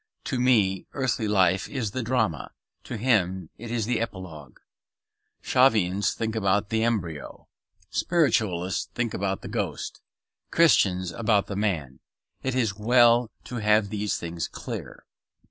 To me earthly life is the drama; to him it is the epilogue. Shavians think about the embryo; Spiritualists about the ghost; Christians about the man. It is as well to have these things clear.